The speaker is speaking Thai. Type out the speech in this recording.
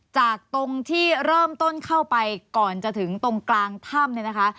จากตรงที่เริ่มต้นเข้าไปก่อนจะถึงตรงกลางถ้ำเนี่ยนะคะ